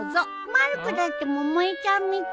まる子だって百恵ちゃん見たいもん